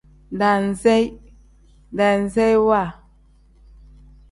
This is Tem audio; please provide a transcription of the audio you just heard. Daaniseyi pl: daaniseyiwa n.